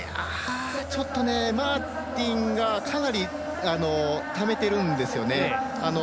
ちょっとね、マーティンがかなりためてるんですよね。